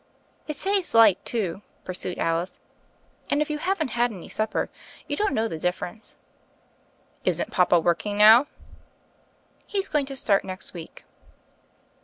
"It saves light, too," pursued Alice, "and, if you haven't had any supper, you don't know the difference." "Isn't papa working now?" "He's going to start next week."